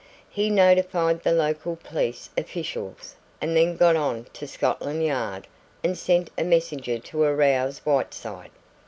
He notified the local police officials and then got on to Scotland Yard and sent a messenger to arouse Whiteside.